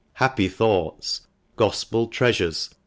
Happy Thoughts, Gospel Treasures.